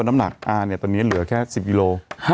น้ำหนักลดไป๑๐กิโล